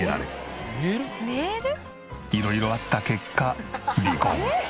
色々あった結果離婚。